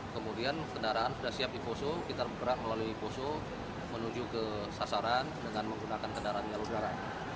kemudian kendaraan sudah siap di poso kita bergerak melalui poso menuju ke sasaran dengan menggunakan kendaraan yang udara